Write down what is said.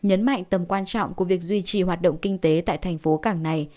nhấn mạnh tầm quan trọng của việc duy trì hoạt động kinh tế tại thành phố cảng này